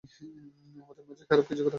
আমাদের মাঝে খারাপ কিছু থাকা উচিত না।